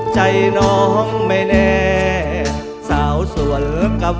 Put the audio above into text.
ใจน้องไม่แน่สาวส่วนกาแฟทำความ